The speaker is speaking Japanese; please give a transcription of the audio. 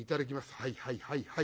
はいはいはいはい。